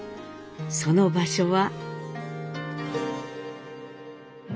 その場所は。